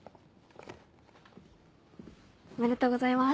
おめでとうございます。